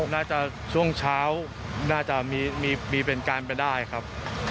น่าจะช่วงเช้าน่าจะมีเป็นการไปได้ครับ